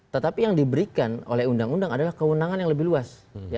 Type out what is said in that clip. tetapi yang diberikan oleh undang undang adalah kewenangan yang lebih luas